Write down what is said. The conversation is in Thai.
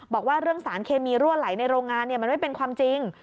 บอกว่าเรื่องสารเคมีรั่วไหลในโรงงานมันไม่เป็นความจริง